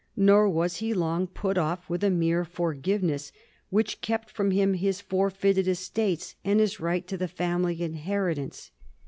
Nor was he long put ofi^ with a mere for giveness which kept from him his forfeited estates and his right to the family inheritance.